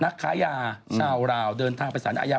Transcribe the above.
ค้ายาชาวราวเดินทางไปสารอาญา